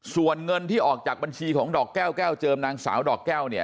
ส่วนเงินที่ออกจากบัญชีของดอกแก้วแก้วเจิมนางสาวดอกแก้วเนี่ย